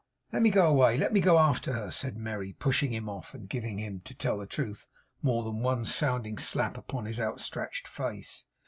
'Let me go away. Let me go after her,' said Merry, pushing him off, and giving him to tell the truth more than one sounding slap upon his outstretched face.